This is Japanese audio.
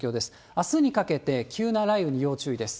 あすにかけて、急な雷雨に要注意です。